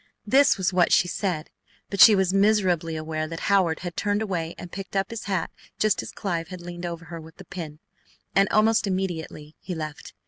This was what she said, but she was miserably aware that Howard had turned away and picked up his hat just as Clive had leaned over her with the pin, and almost immediately he left.